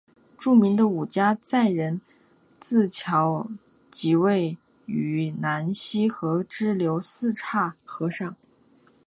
著名的五家寨人字桥即位于南溪河支流四岔河上。